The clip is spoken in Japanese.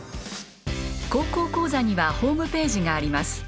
高校講座にはホームページがあります。